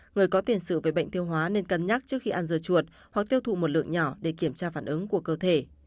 người có tiền sử về bệnh tiêu hóa nên cân nhắc trước khi ăn dưa chuột hoặc tiêu thụ một lượng nhỏ để kiểm tra phản ứng của cơ thể